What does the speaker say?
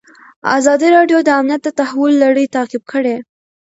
ازادي راډیو د امنیت د تحول لړۍ تعقیب کړې.